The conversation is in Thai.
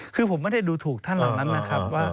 คือผมไม่ได้ดูถูกท่านเหล่านั้นนะครับว่า